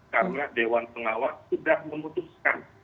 karena dewan pengawas sudah memutuskan